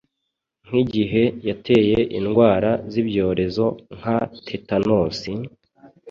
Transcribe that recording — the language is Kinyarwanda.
nk’igihe hateye indwara z’ibyorezo nka tetanosi,